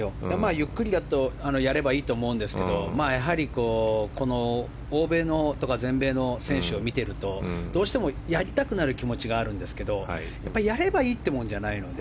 ゆっくりやればいいと思うんですけどやはり、欧米とか全米の選手を見ているとどうしてもやりたくなる気持ちがあるんですけどやればいいってもんじゃないので。